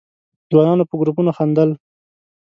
ځوانانو په گروپونو خندل.